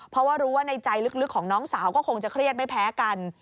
เพราะว่ารู้ว่าในใจลึกของน้องสาวก็คงจะเครียดไม่แพ้กัน